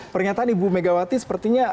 pernyataan ibu megawati sepertinya